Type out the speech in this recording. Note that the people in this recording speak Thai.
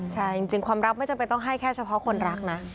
ใช่จริงความรักไม่จำเป็นต้องให้แค่เฉพาะคนรักนะ